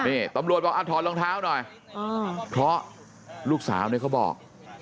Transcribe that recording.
นี่ตำรวจบอกถอดรองเท้าหน่อยเพราะลูกสาวเนี่ยเขาบอก